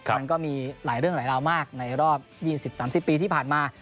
มันก็มีหลายเรื่องหลายราวมากในรอบ๒๐๓๐ปีที่ผ่านมา